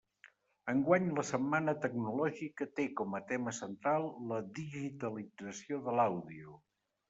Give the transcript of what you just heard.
Enguany la setmana tecnològica té com a tema central la digitalització de l'àudio.